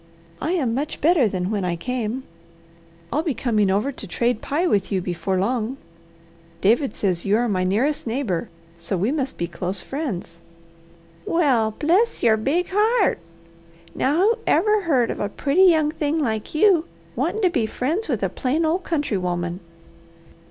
"I am much better than when I came. I'll be coming over to trade pie with you before long. David says you are my nearest neighbour, so we must be close friends." "Well bless your big heart! Now who ever heard of a pretty young thing like you wantin' to be friends with a plain old country woman?"